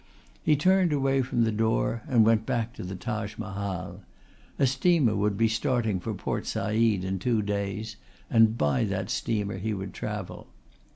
He turned away from the door and went back to the Taj Mahal. A steamer would be starting for Port Said in two days and by that steamer he would travel.